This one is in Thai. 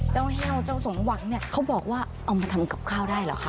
แห้วเจ้าสมหวังเนี่ยเขาบอกว่าเอามาทำกับข้าวได้เหรอคะ